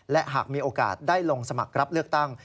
และหากมีโอกาสได้ลงสมัครรับเลือกตั้ง